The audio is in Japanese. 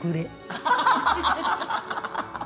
アハハハ！